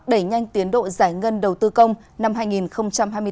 đẩy nhanh tiến độ giải ngân đầu tư công năm hai nghìn hai mươi bốn